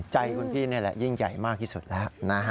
ใจคุณพี่นี่แหละยิ่งใหญ่มากที่สุดแล้วนะฮะ